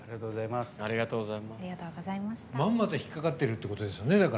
まんまと引っ掛かってるってことですよね。